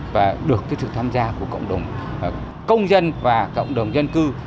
và được sự tham gia của cộng đồng công dân và cộng đồng dân cư